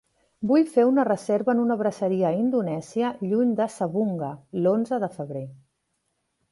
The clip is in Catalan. Vull fer una reserva en una braseria indonèsia lluny de Savoonga l'onze de febrer.